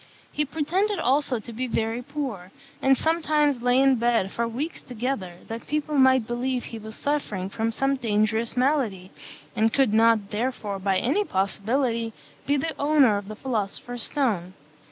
He pretended also to be very poor; and sometimes lay in bed for weeks together, that people might believe he was suffering from some dangerous malady, and could not therefore, by any possibility, be the owner of the philosopher's stone.